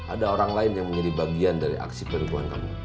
ada orang lain yang menjadi bagian dari aksi penipuan kami